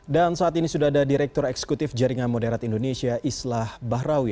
saat ini sudah ada direktur eksekutif jaringan moderat indonesia islah bahrawi